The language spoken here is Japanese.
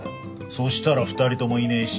そしたら２人共いねえし。